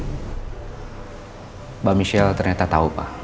mbak michelle ternyata tahu pak